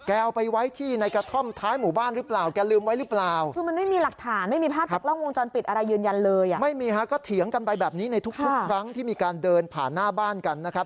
อันนี้ในทุกครั้งที่มีการเดินผ่านหน้าบ้านกันนะครับ